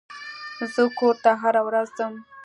زه کور ته هره ورځ ځم.